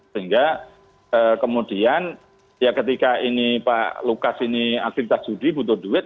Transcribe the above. sehingga kemudian ya ketika ini pak lukas ini aktivitas judi butuh duit